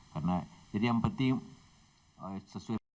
karena jadi yang penting sesuai prosedur